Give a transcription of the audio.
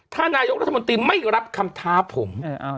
ถ้านายกรัฐมนตรีไม่รับคำท้าผม